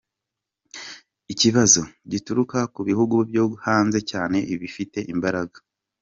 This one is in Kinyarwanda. Ikibazo gituruka ku bihugu byo hanze cyane ibifite imbaraga.